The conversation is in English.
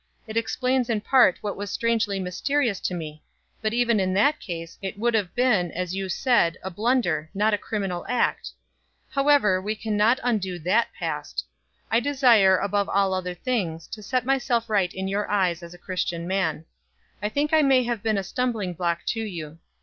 It explains in part what was strangely mysterious to me; but even in that case, it would have been, as you said, a blunder, not a criminal act However, we can not undo that past. I desire, above all other things, to set myself right in your eyes as a Christian man. I think I may have been a stumbling block to you.